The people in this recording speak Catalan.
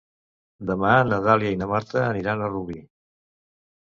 Demà na Dàlia i na Marta aniran a Rubí.